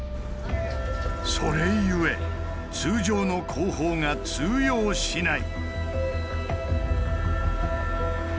それゆえ通常の工法が通用しない。